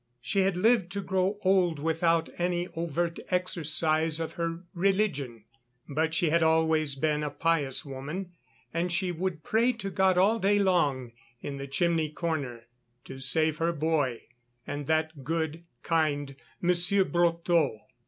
She had lived to grow old without any overt exercise of her religion, but she had always been a pious woman, and she would pray to God all day long, in the chimney corner, to save her boy and that good, kind Monsieur Brotteaux.